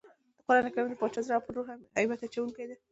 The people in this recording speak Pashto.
قرانکریم د زړه باچا او پر روح هیبت اچوونکی دئ.